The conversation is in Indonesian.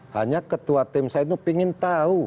hanya ketua tim saya itu ingin tahu